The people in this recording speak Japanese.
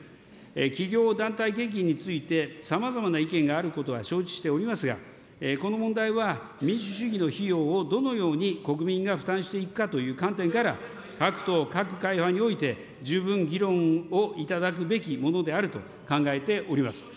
企業団体献金について、さまざまな意見があることは承知しておりますが、この問題は民主主義の費用をどのように国民が負担していくかという観点から、各党、各会派において十分議論をいただくべきものであると考えております。